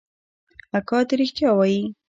اکا دې ريښتيا وايي.